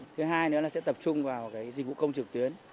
thứ hai nữa là sẽ tập trung vào dịch vụ công trực tuyến